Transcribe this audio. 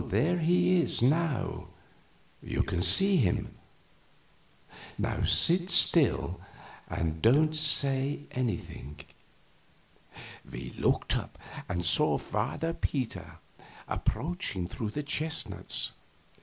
There he is now; you can see him. Sit still, and don't say anything." We looked up and saw Father Peter approaching through the chestnuts.